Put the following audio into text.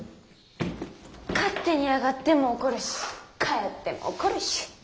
勝手に上がっても怒るし帰っても怒るし。